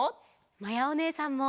まやおねえさんも！